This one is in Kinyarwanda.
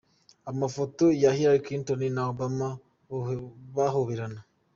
Amafoto ya Hillary Clinton na Obama bahoberana.